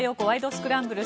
スクランブル」。